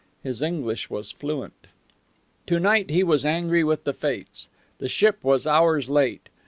His English was fluent. To night he was angry with the fates. The ship was hours late.